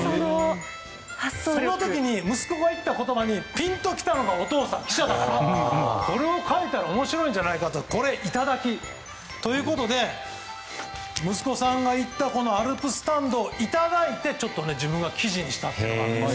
そんな時に息子が言った言葉にピンと来たのがお父さん記者だったのでそれを書いたら面白いんじゃないかとこれをいただき。ということで息子さんが言ったアルプススタンドをいただいて自分が記事にしたんです。